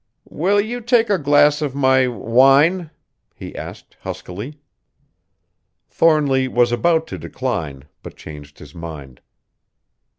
"Will you take a glass of my wine?" he asked huskily. Thornly was about to decline, but changed his mind.